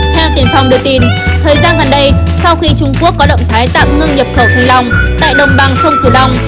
thang tiền phong đưa tin thời gian gần đây sau khi trung quốc có động thái tạm ngưng nhập khẩu thanh long tại đồng bằng sông cửu long